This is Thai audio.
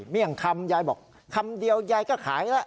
เลี่ยงคำยายบอกคำเดียวยายก็ขายแล้ว